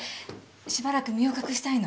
しばらく身を隠したいの。